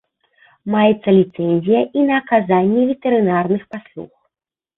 Маецца ліцэнзія і на аказанне ветэрынарных паслуг.